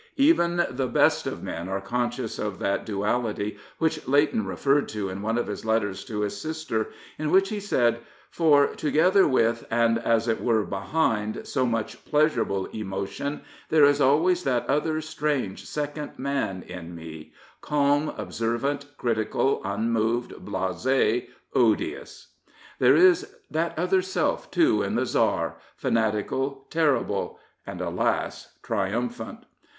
Even the best of men are conscious of that duality which Leighton referred to in one of his letters to his sister, in which he said, " for, together with, and, as it were, behind, so much pleasurable emotion, there is always that other strange second man in me, calm, observant, critical, unmoved, blas6, odious." There is that other self, too, in the Tsar, fanatical, terrible — ^and, alas, triumphant.